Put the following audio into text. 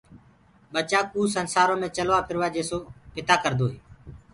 ٻچآ ڪو سنسآرو مي چلوآ ڦروآ جيسو پتآ ڪردوئي